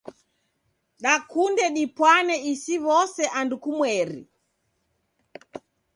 Dakunde dipwane isi w'ose andu kumweri.